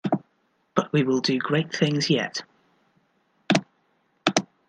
But we will do great things yet!